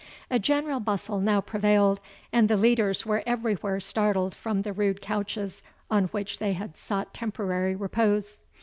A general bustle now prevailed, and the leaders were everywhere startled from the rude couches on which they had sought temporary repose.